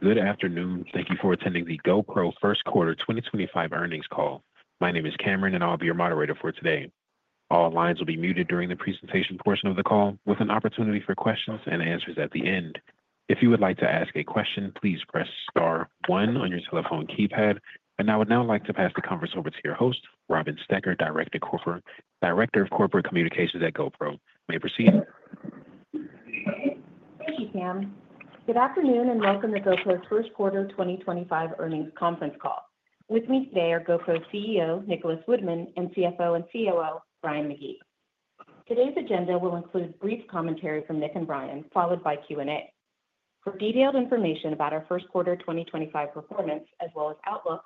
Good afternoon. Thank you for attending the GoPro First Quarter 2025 earnings call. My name is Cameron, and I'll be your moderator for today. All lines will be muted during the presentation portion of the call, with an opportunity for questions and answers at the end. If you would like to ask a question, please press star one on your telephone keypad. I would now like to pass the conference over to your host, Robin Stoecker, Director of Corporate Communications at GoPro. May I proceed? Thank you, Cam. Good afternoon and welcome to GoPro's First Quarter 2025 earnings conference call. With me today are GoPro CEO, Nicholas Woodman, and CFO and COO, Brian McGee. Today's agenda will include brief commentary from Nick and Brian, followed by Q&A. For detailed information about our First Quarter 2025 performance, as well as outlook,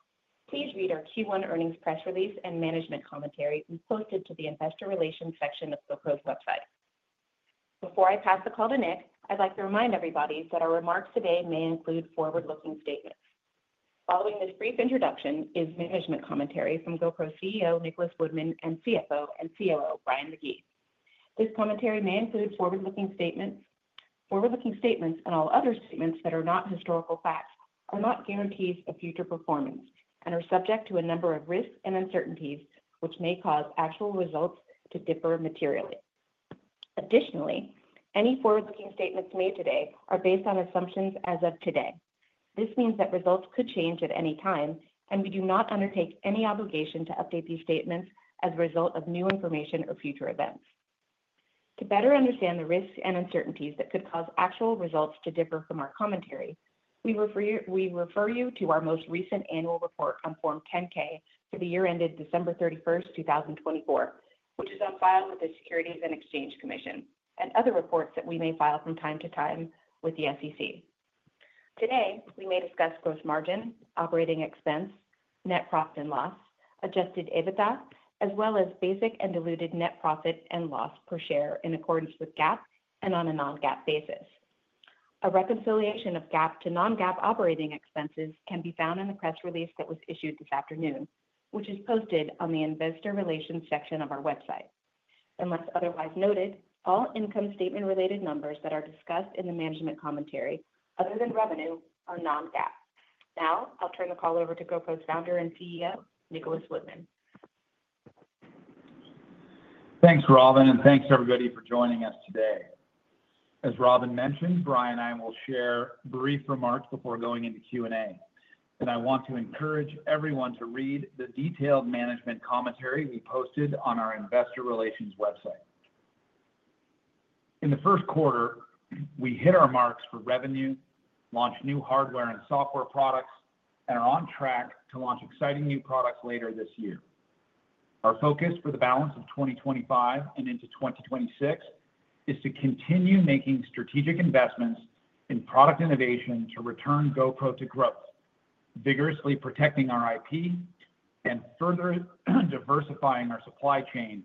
please read our Q1 earnings press release and management commentary we posted to the Investor Relations section of GoPro's website. Before I pass the call to Nick, I'd like to remind everybody that our remarks today may include forward-looking statements. Following this brief introduction is management commentary from GoPro CEO, Nicholas Woodman, and CFO and COO, Brian McGee. This commentary may include forward-looking statements. Forward-looking statements and all other statements that are not historical facts are not guarantees of future performance and are subject to a number of risks and uncertainties, which may cause actual results to differ materially. Additionally, any forward-looking statements made today are based on assumptions as of today. This means that results could change at any time, and we do not undertake any obligation to update these statements as a result of new information or future events. To better understand the risks and uncertainties that could cause actual results to differ from our commentary, we refer you to our most recent annual report on Form 10-K for the year ended December 31, 2024, which is on file with the Securities and Exchange Commission and other reports that we may file from time to time with the SEC. Today, we may discuss gross margin, operating expense, net profit and loss, adjusted EBITDA, as well as basic and diluted net profit and loss per share in accordance with GAAP and on a non-GAAP basis. A reconciliation of GAAP to non-GAAP operating expenses can be found in the press release that was issued this afternoon, which is posted on the Investor Relations section of our website. Unless otherwise noted, all income statement-related numbers that are discussed in the management commentary, other than revenue, are non-GAAP. Now, I'll turn the call over to GoPro's founder and CEO, Nicholas Woodman. Thanks, Robin, and thanks everybody for joining us today. As Robin mentioned, Brian and I will share brief remarks before going into Q&A. I want to encourage everyone to read the detailed management commentary we posted on our Investor Relations website. In the first quarter, we hit our marks for revenue, launched new hardware and software products, and are on track to launch exciting new products later this year. Our focus for the balance of 2025 and into 2026 is to continue making strategic investments in product innovation to return GoPro to growth, vigorously protecting our IP and further diversifying our supply chain,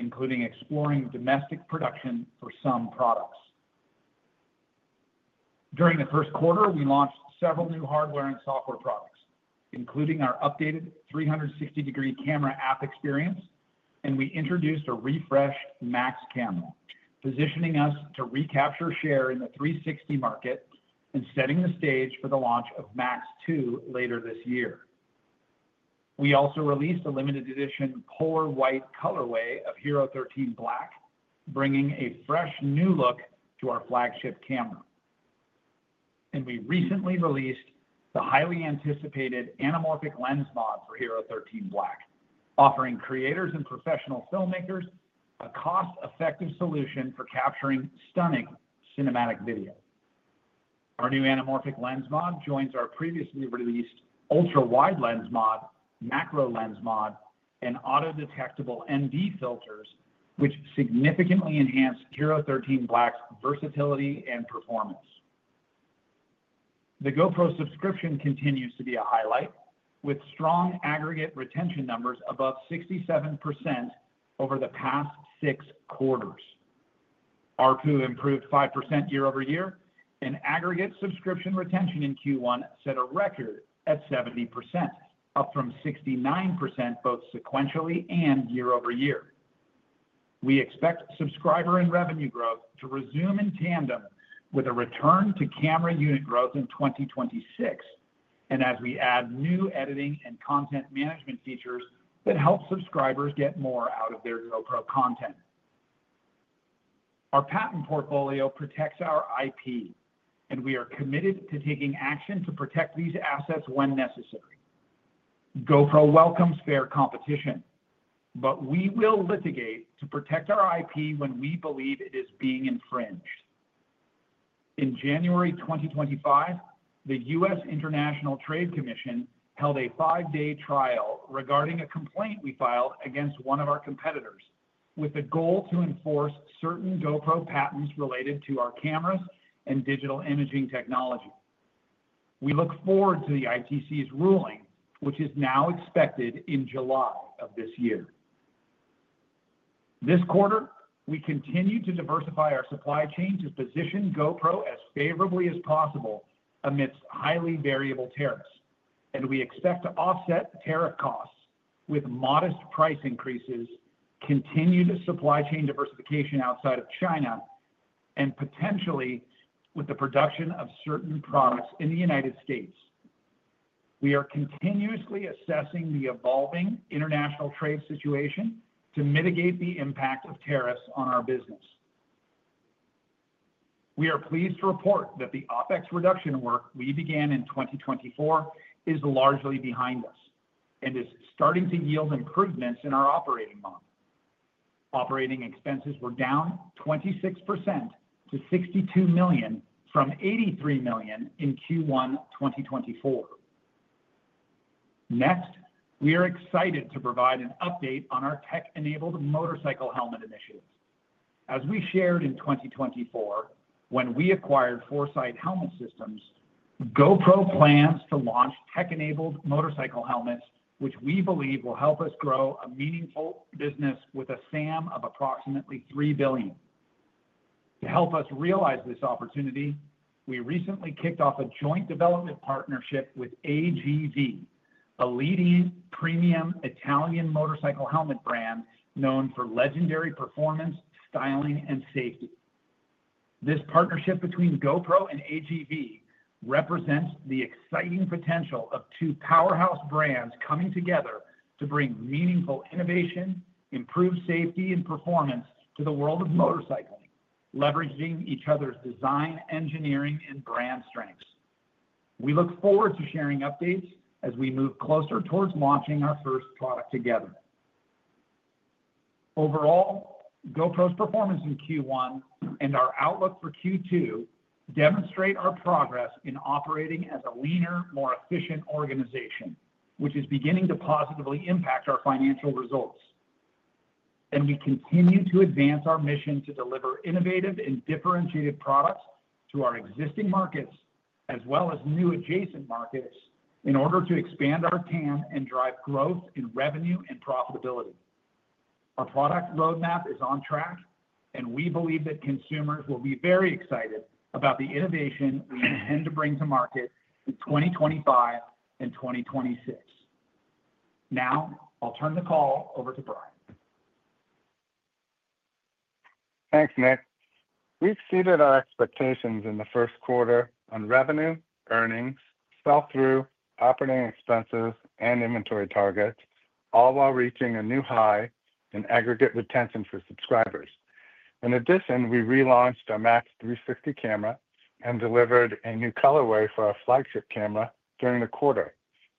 including exploring domestic production for some products. During the first quarter, we launched several new hardware and software products, including our updated 360-degree camera app experience, and we introduced a refreshed Max camera, positioning us to recapture share in the 360 market and setting the stage for the launch of Max 2 later this year. We also released a limited edition Polar White colorway of Hero 13 Black, bringing a fresh new look to our flagship camera. We recently released the highly anticipated anamorphic lens mod for Hero 13 Black, offering creators and professional filmmakers a cost-effective solution for capturing stunning cinematic video. Our new anamorphic lens mod joins our previously released ultra-wide lens mod, macro lens mod, and auto-detectable ND filters, which significantly enhance Hero 13 Black's versatility and performance. The GoPro subscription continues to be a highlight, with strong aggregate retention numbers above 67% over the past six quarters. RPU improved 5% year-over-year, and aggregate subscription retention in Q1 set a record at 70%, up from 69% both sequentially and year over year. We expect subscriber and revenue growth to resume in tandem with a return to camera unit growth in 2026, and as we add new editing and content management features that help subscribers get more out of their GoPro content. Our patent portfolio protects our IP, and we are committed to taking action to protect these assets when necessary. GoPro welcomes fair competition, but we will litigate to protect our IP when we believe it is being infringed. In January 2025, the U.S. International Trade Commission held a five-day trial regarding a complaint we filed against one of our competitors, with the goal to enforce certain GoPro patents related to our cameras and digital imaging technology. We look forward to the ITC's ruling, which is now expected in July of this year. This quarter, we continue to diversify our supply chain to position GoPro as favorably as possible amidst highly variable tariffs, and we expect to offset tariff costs with modest price increases, continued supply chain diversification outside of China, and potentially with the production of certain products in the United States. We are continuously assessing the evolving international trade situation to mitigate the impact of tariffs on our business. We are pleased to report that the OpEx reduction work we began in 2024 is largely behind us and is starting to yield improvements in our operating model. Operating expenses were down 26% to $62 million from $83 million in Q1 2024. Next, we are excited to provide an update on our tech-enabled motorcycle helmet initiatives. As we shared in 2024, when we acquired Foresight Helmet Systems, GoPro plans to launch tech-enabled motorcycle helmets, which we believe will help us grow a meaningful business with a SAM of approximately $3 billion. To help us realize this opportunity, we recently kicked off a joint development partnership with AGV, a leading premium Italian motorcycle helmet brand known for legendary performance, styling, and safety. This partnership between GoPro and AGV represents the exciting potential of two powerhouse brands coming together to bring meaningful innovation, improved safety, and performance to the world of motorcycling, leveraging each other's design, engineering, and brand strengths. We look forward to sharing updates as we move closer towards launching our first product together. Overall, GoPro's performance in Q1 and our outlook for Q2 demonstrate our progress in operating as a leaner, more efficient organization, which is beginning to positively impact our financial results. We continue to advance our mission to deliver innovative and differentiated products to our existing markets, as well as new adjacent markets, in order to expand our TAM and drive growth in revenue and profitability. Our product roadmap is on track, and we believe that consumers will be very excited about the innovation we intend to bring to market in 2025 and 2026. Now, I'll turn the call over to Brian. Thanks, Nick. We exceeded our expectations in the first quarter on revenue, earnings, sell-through, operating expenses, and inventory targets, all while reaching a new high in aggregate retention for subscribers. In addition, we relaunched our Max 360 camera and delivered a new colorway for our flagship camera during the quarter,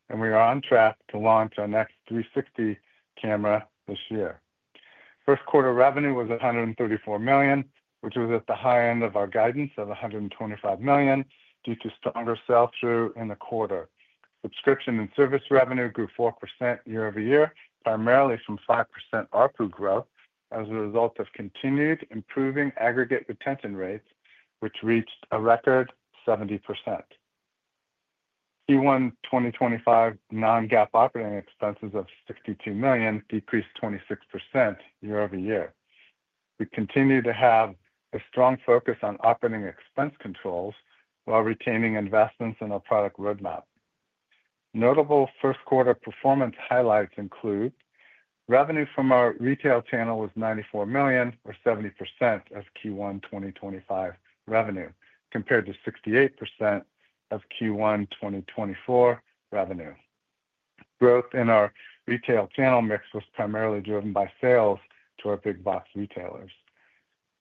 and we are on track to launch our next 360 camera this year. First quarter revenue was $134 million, which was at the high end of our guidance of $125 million due to stronger sell-through in the quarter. Subscription and service revenue grew 4% year over year, primarily from 5% RPU growth as a result of continued improving aggregate retention rates, which reached a record 70%. Q1 2025 non-GAAP operating expenses of $62 million decreased 26% year-over-year. We continue to have a strong focus on operating expense controls while retaining investments in our product roadmap. Notable first quarter performance highlights include revenue from our retail channel was $94 million, or 70% of Q1 2025 revenue, compared to 68% of Q1 2024 revenue. Growth in our retail channel mix was primarily driven by sales to our big-box retailers.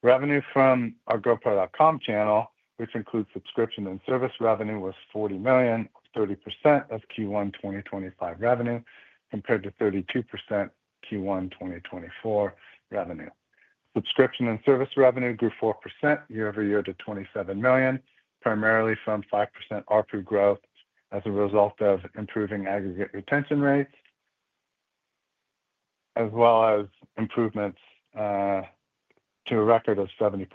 Revenue from our GoPro.com channel, which includes subscription and service revenue, was $40 million, or 30% of Q1 2025 revenue, compared to 32% Q1 2024 revenue. Subscription and service revenue grew 4% year-over-year to $27 million, primarily from 5% RPU growth as a result of improving aggregate retention rates, as well as improvements to a record of 70%.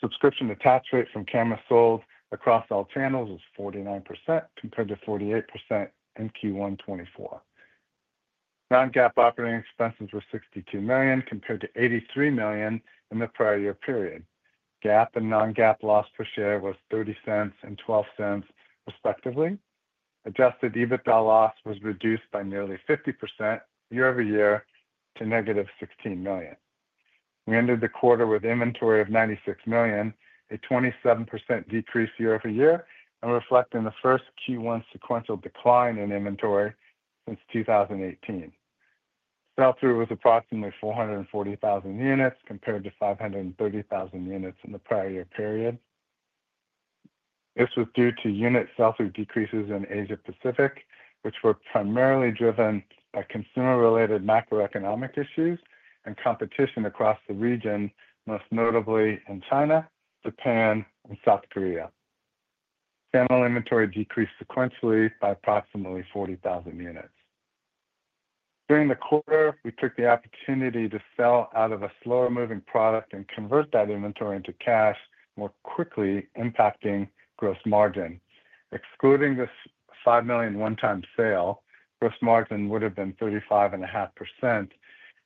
Subscription attach rate from cameras sold across all channels was 49%, compared to 48% in Q1 2024. Non-GAAP operating expenses were $62 million, compared to $83 million in the prior year period. GAAP and non-GAAP loss per share was $0.30 and $0.12, respectively. Adjusted EBITDA loss was reduced by nearly 50% year-over-year to -$16 million. We ended the quarter with inventory of $96 million, a 27% decrease year-over-year, and reflecting the first Q1 sequential decline in inventory since 2018. Sell-through was approximately 440,000 units, compared to 530,000 units in the prior year period. This was due to unit sell-through decreases in Asia-Pacific, which were primarily driven by consumer-related macroeconomic issues and competition across the region, most notably in China, Japan, and South Korea. Channel inventory decreased sequentially by approximately 40,000 units. During the quarter, we took the opportunity to sell out of a slower-moving product and convert that inventory into cash more quickly, impacting gross margin. Excluding this $5 million one-time sale, gross margin would have been 35.5%,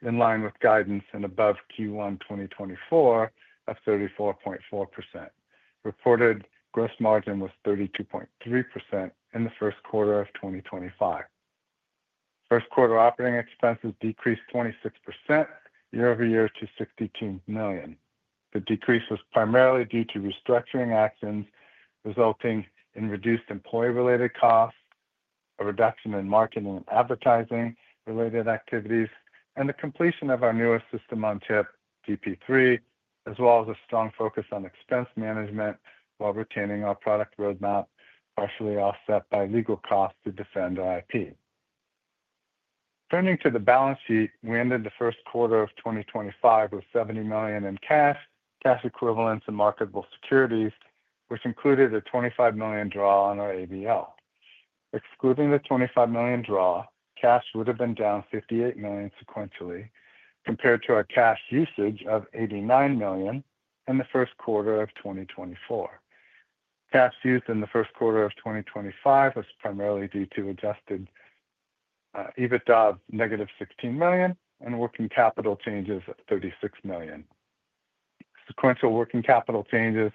in line with guidance and above Q1 2024 of 34.4%. Reported gross margin was 32.3% in the first quarter of 2025. First quarter operating expenses decreased 26% year-over-year to $62 million. The decrease was primarily due to restructuring actions resulting in reduced employee-related costs, a reduction in marketing and advertising-related activities, and the completion of our newest system on chip, GP3, as well as a strong focus on expense management while retaining our product roadmap, partially offset by legal costs to defend our IP. Turning to the balance sheet, we ended the first quarter of 2025 with $70 million in cash, cash equivalents, and marketable securities, which included a $25 million draw on our ABL. Excluding the $25 million draw, cash would have been down $58 million sequentially, compared to our cash usage of $89 million in the first quarter of 2024. Cash used in the first quarter of 2025 was primarily due to adjusted EBITDA of -$16 million and working capital changes of $36 million. Sequential working capital changes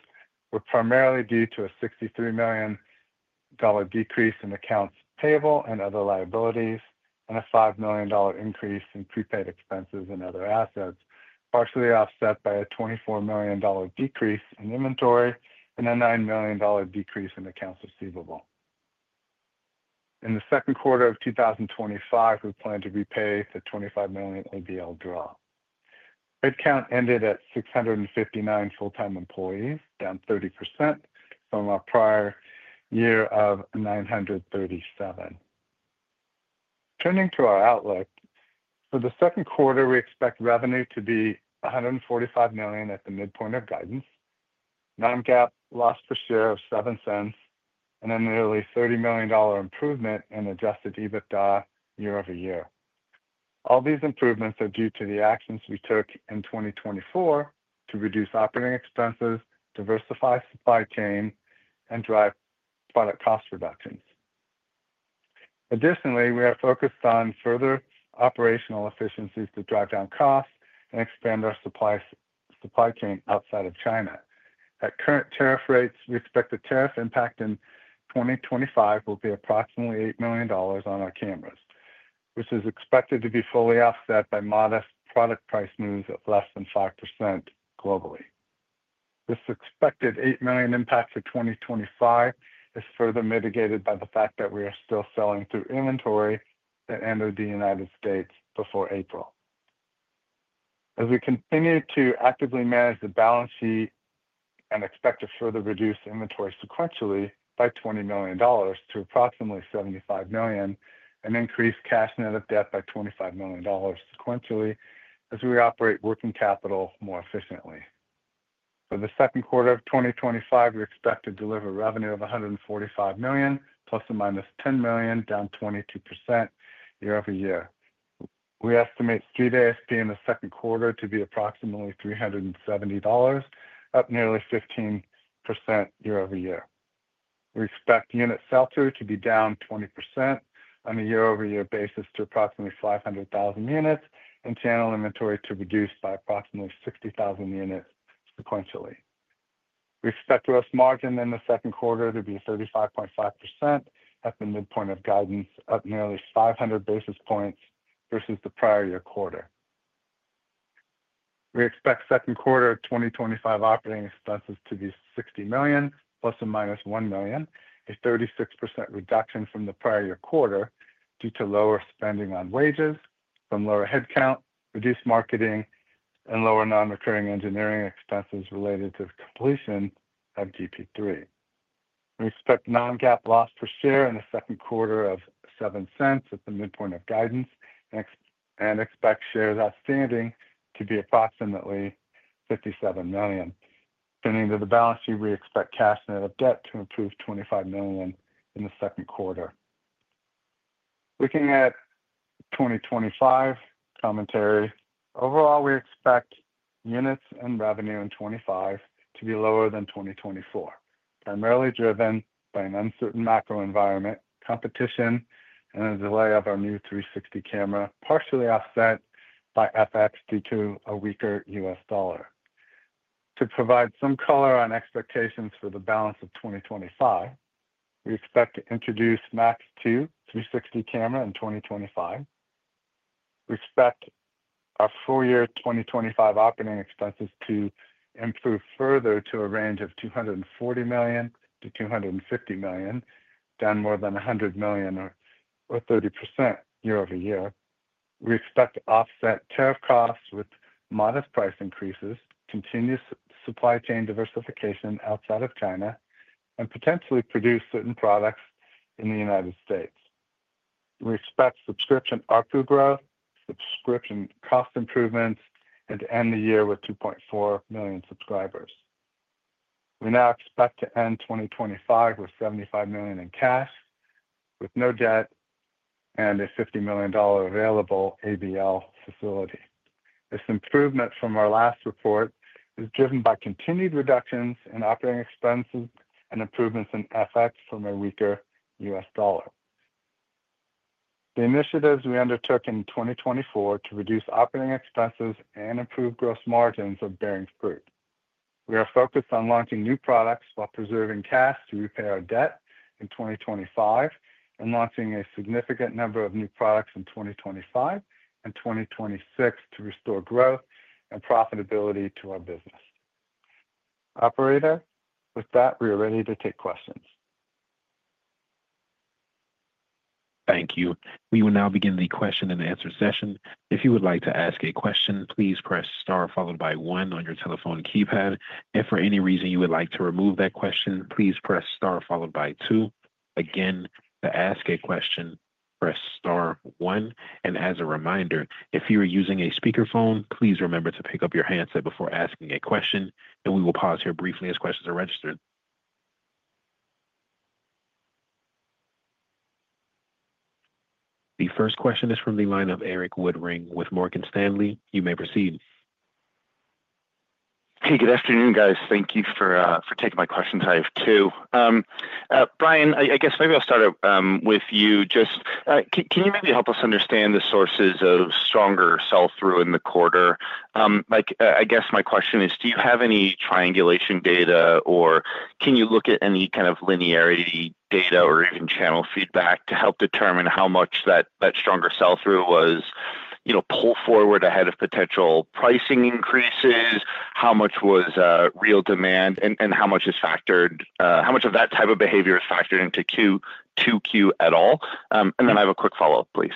were primarily due to a $63 million decrease in accounts payable and other liabilities and a $5 million increase in prepaid expenses and other assets, partially offset by a $24 million decrease in inventory and a $9 million decrease in accounts receivable. In the second quarter of 2025, we plan to repay the $25 million ABL draw. Headcount ended at 659 full-time employees, down 30% from our prior year of 937. Turning to our outlook, for the second quarter, we expect revenue to be $145 million at the midpoint of guidance, non-GAAP loss per share of $0.07, and a nearly $30 million improvement in adjusted EBITDA year-over-year. All these improvements are due to the actions we took in 2024 to reduce operating expenses, diversify supply chain, and drive product cost reductions. Additionally, we are focused on further operational efficiencies to drive down costs and expand our supply chain outside of China. At current tariff rates, we expect the tariff impact in 2025 will be approximately $8 million on our cameras, which is expected to be fully offset by modest product price moves of less than 5% globally. This expected $8 million impact for 2025 is further mitigated by the fact that we are still selling through inventory that entered the United States before April. As we continue to actively manage the balance sheet and expect to further reduce inventory sequentially by $20 million to approximately $75 million and increase cash net of debt by $25 million sequentially as we operate working capital more efficiently. For the second quarter of 2025, we expect to deliver revenue of $145 million, plus or minus $10 million, down 22% year-over-year. We estimate street ASP in the second quarter to be approximately $370, up nearly 15% year-over year. We expect unit sell-through to be down 20% on a year-over-year basis to approximately 500,000 units and channel inventory to reduce by approximately 60,000 units sequentially. We expect gross margin in the second quarter to be 35.5% at the midpoint of guidance, up nearly 500 basis points versus the prior year quarter. We expect second quarter of 2025 operating expenses to be $60 million, plus or minus $1 million, a 36% reduction from the prior year quarter due to lower spending on wages, from lower headcount, reduced marketing, and lower non-recurring engineering expenses related to completion of GP3. We expect non-GAAP loss per share in the second quarter of $0.07 at the midpoint of guidance and expect shares outstanding to be approximately 57 million. Turning to the balance sheet, we expect cash net of debt to improve $25 million in the second quarter. Looking at 2025 commentary, overall, we expect units and revenue in 2025 to be lower than 2024, primarily driven by an uncertain macro environment, competition, and a delay of our new 360 camera, partially offset by FX due to a weaker US dollar. To provide some color on expectations for the balance of 2025, we expect to introduce Max 2 360 camera in 2025. We expect our full year 2025 operating expenses to improve further to a range of $240 million-$250 million, down more than $100 million or 30% year-over-year. We expect to offset tariff costs with modest price increases, continuous supply chain diversification outside of China, and potentially produce certain products in the United States. We expect subscription RPU growth, subscription cost improvements, and to end the year with 2.4 million subscribers. We now expect to end 2025 with $75 million in cash, with no debt and a $50 million available ABL facility. This improvement from our last report is driven by continued reductions in operating expenses and improvements in FX from a weaker US dollar. The initiatives we undertook in 2024 to reduce operating expenses and improve gross margins are bearing fruit. We are focused on launching new products while preserving cash to repay our debt in 2025 and launching a significant number of new products in 2025 and 2026 to restore growth and profitability to our business. Operator, with that, we are ready to take questions. Thank you. We will now begin the question-and-answer session. If you would like to ask a question, please press star followed by one on your telephone keypad. If for any reason you would like to remove that question, please press star followed by two. Again, to ask a question, press star one. As a reminder, if you are using a speakerphone, please remember to pick up your handset before asking a question, and we will pause here briefly as questions are registered. The first question is from the line of Erik Woodring with Morgan Stanley. You may proceed. Hey, good afternoon, guys. Thank you for taking my questions live too. Brian, I guess maybe I'll start with you. Just can you maybe help us understand the sources of stronger sell-through in the quarter? I guess my question is, do you have any triangulation data, or can you look at any kind of linearity data or even channel feedback to help determine how much that stronger sell-through was pulled forward ahead of potential pricing increases? How much was real demand, and how much is factored? How much of that type of behavior is factored into Q2Q at all? I have a quick follow-up, please.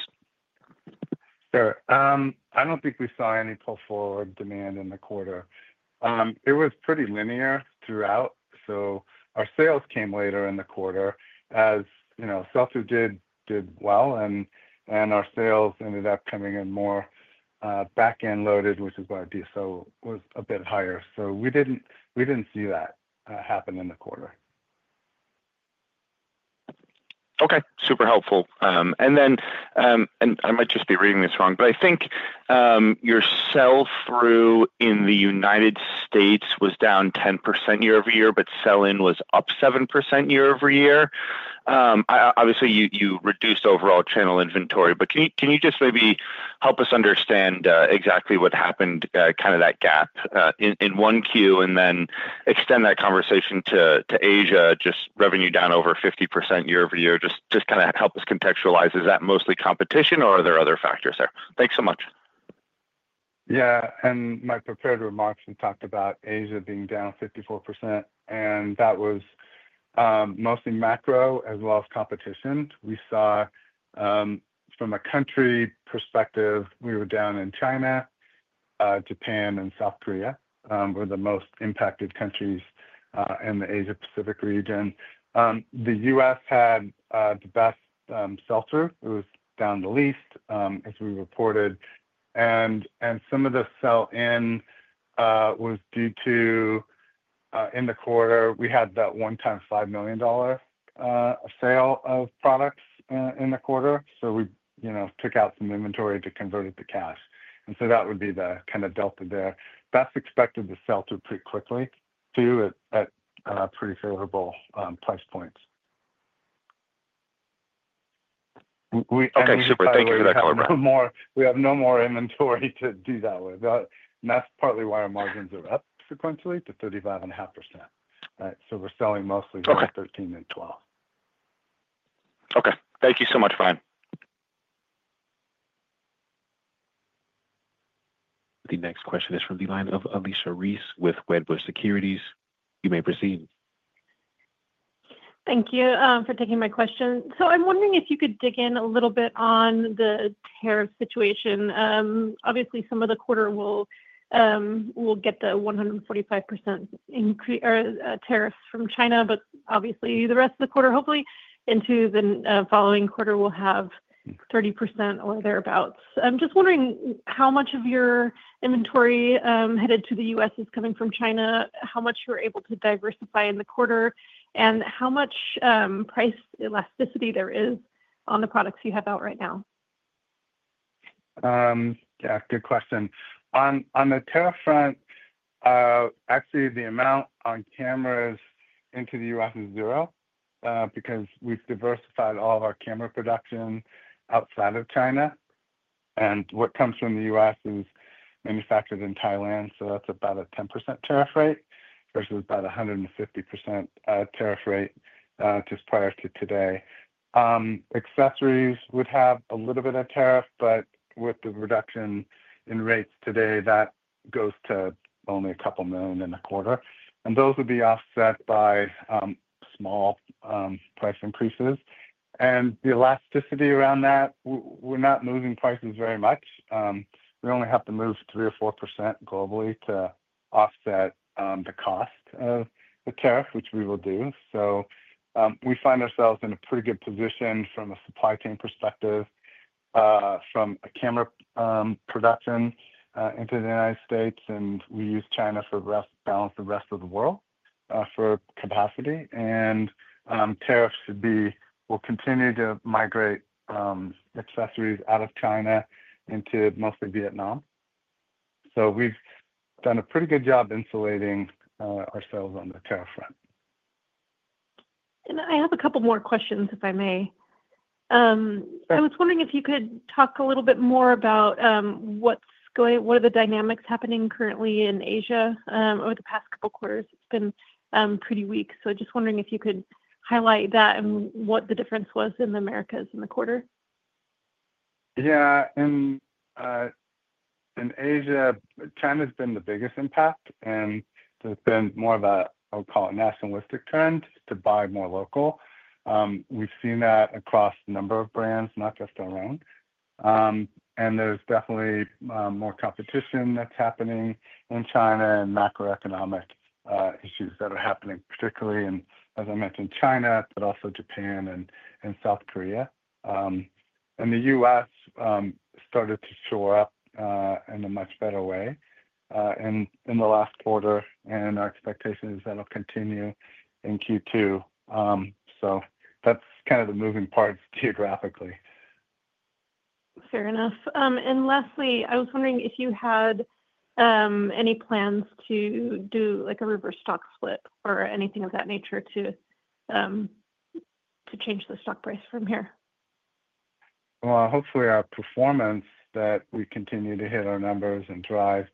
Sure. I do not think we saw any pull forward demand in the quarter. It was pretty linear throughout. Our sales came later in the quarter, as sell-through did well, and our sales ended up coming in more back-end loaded, which is why our DSO was a bit higher. We did not see that happen in the quarter. Okay. Super helpful. I might just be reading this wrong, but I think your sell-through in the United States was down 10% year-over-year, but sell-in was up 7% year-over-year. Obviously, you reduced overall channel inventory, but can you just maybe help us understand exactly what happened, kind of that gap in Q1, and then extend that conversation to Asia, just revenue down over 50% year-over-year, just kind of help us contextualize. Is that mostly competition, or are there other factors there? Thanks so much. Yeah. In my prepared remarks, we talked about Asia being down 54%, and that was mostly macro as well as competition. We saw, from a country perspective, we were down in China. Japan and South Korea were the most impacted countries in the Asia-Pacific region. The U.S. had the best sell-through. It was down the least as we reported. Some of the sell-in was due to, in the quarter, we had that one-time $5 million sale of products in the quarter. We took out some inventory to convert it to cash. That would be the kind of delta there. That is expected to sell through pretty quickly too at pretty favorable price points. Okay. Super. Thank you for that, Colorado. We have no more inventory to do that with. That is partly why our margins are up sequentially to 35.5%. We are selling mostly 13 and 12. Okay. Thank you so much, Brian. The next question is from the line of Alicia Reese with Wedbush Securities. You may proceed. Thank you for taking my question. I'm wondering if you could dig in a little bit on the tariff situation. Obviously, some of the quarter will get the 145% tariffs from China, but obviously, the rest of the quarter, hopefully, into the following quarter, we'll have 30% or thereabouts. I'm just wondering how much of your inventory headed to the U.S. is coming from China, how much you're able to diversify in the quarter, and how much price elasticity there is on the products you have out right now. Yeah. Good question. On the tariff front, actually, the amount on cameras into the U.S. is zero because we've diversified all of our camera production outside of China. What comes from the U.S. is manufactured in Thailand, so that's about a 10% tariff rate versus about a 150% tariff rate just prior to today. Accessories would have a little bit of tariff, but with the reduction in rates today, that goes to only a couple million in the quarter. Those would be offset by small price increases. The elasticity around that, we're not moving prices very much. We only have to move 3% or 4% globally to offset the cost of the tariff, which we will do. We find ourselves in a pretty good position from a supply chain perspective, from camera production into the United States, and we use China to balance the rest of the world for capacity. Tariffs will continue to migrate accessories out of China into mostly Vietnam. We have done a pretty good job insulating ourselves on the tariff front. I have a couple more questions, if I may. I was wondering if you could talk a little bit more about what are the dynamics happening currently in Asia over the past couple of quarters. It's been pretty weak. Just wondering if you could highlight that and what the difference was in the Americas in the quarter. Yeah. In Asia, China has been the biggest impact, and there's been more of a, I'll call it, nationalistic trend to buy more local. We've seen that across a number of brands, not just our own. There's definitely more competition that's happening in China and macroeconomic issues that are happening, particularly, as I mentioned, China, but also Japan and South Korea. The U.S. started to show up in a much better way in the last quarter, and our expectation is that'll continue in Q2. That's kind of the moving parts geographically. Fair enough. Lastly, I was wondering if you had any plans to do a reverse stock split or anything of that nature to change the stock price from here. Hopefully, our performance, that we continue to hit our numbers and drive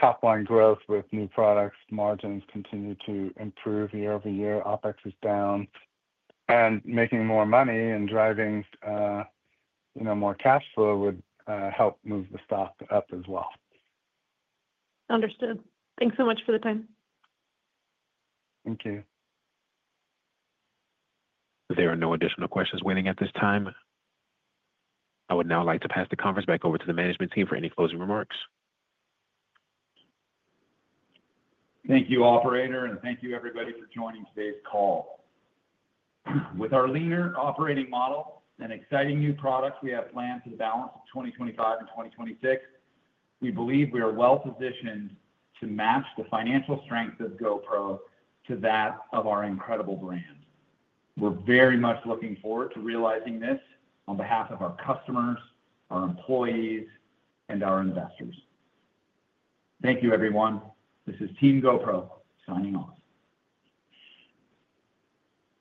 top-line growth with new products, margins continue to improve year over year, OPEX is down. Making more money and driving more cash flow would help move the stock up as well. Understood. Thanks so much for the time. Thank you. There are no additional questions waiting at this time. I would now like to pass the conference back over to the management team for any closing remarks. Thank you, Operator, and thank you, everybody, for joining today's call. With our leaner operating model and exciting new products we have planned for the balance of 2025 and 2026, we believe we are well-positioned to match the financial strength of GoPro to that of our incredible brand. We're very much looking forward to realizing this on behalf of our customers, our employees, and our investors. Thank you, everyone. This is Team GoPro signing off.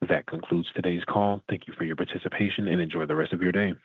That concludes today's call. Thank you for your participation and enjoy the rest of your day.